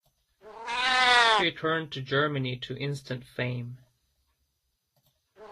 He returned to Germany to instant fame.